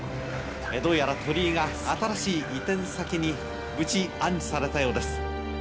どうやら鳥居が新しい移転先に無事、安置されたようです。